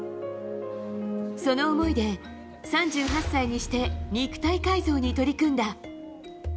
その思いで、３８歳にして肉体改造に取り組んだ。